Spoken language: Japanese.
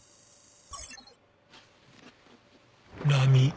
波。